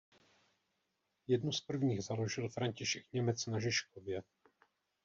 Jednu z prvních založil František Němec na Žižkově.